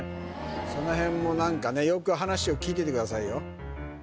その辺も何かねよく話を聞いててくださいよ